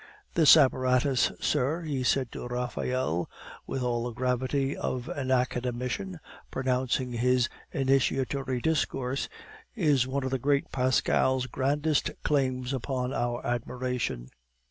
"This apparatus, sir," he said to Raphael, with all the gravity of an academician pronouncing his initiatory discourse, "is one of the great Pascal's grandest claims upon our admiration."